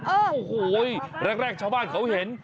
โอ้โหแรกชาวบ้านเขาเห็น